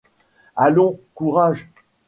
Allons, courage.